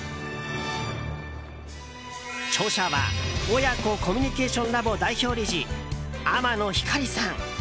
著者は親子コミュニケーションラボ代表理事、天野ひかりさん。